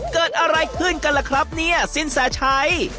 เกิดอะไรขึ้นกันล่ะครับเนี่ยสินแสชัย